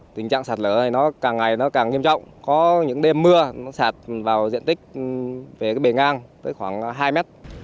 tình trạng sặt lở này nó càng ngày càng nghiêm trọng có những đêm mưa nó sặt vào diện tích về bề ngang tới khoảng hai m